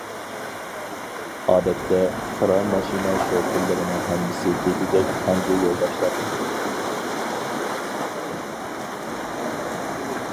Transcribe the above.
ئادەتتە، كىرا ماشىنا شوپۇرلىرىنىڭ ھەممىسى دېگۈدەك خەنزۇ يولداشلار ئىدى.